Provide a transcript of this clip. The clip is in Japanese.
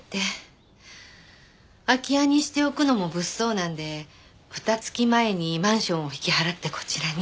空き家にしておくのも物騒なんで２月前にマンションを引き払ってこちらに。